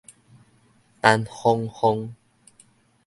陳凰鳳